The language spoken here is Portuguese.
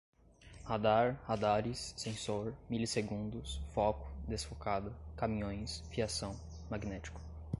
radar, radares, sensor, milisegundos, foco, desfocada, caminhões, fiação, magnético